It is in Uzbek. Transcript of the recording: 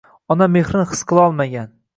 Ona mehrin his qilolmagan